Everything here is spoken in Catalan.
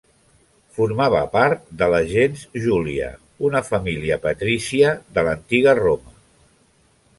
Formava part de la gens Júlia, una família patrícia de l'Antiga Roma.